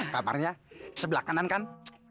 kamarnya sebelah kanan kan